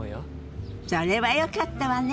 それはよかったわね。